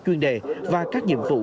chuyên đề và các nhiệm vụ